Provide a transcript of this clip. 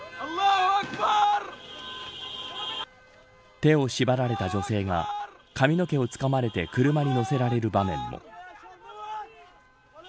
手を縛られた女性が髪の毛をつかまれて車に乗せられる場面も。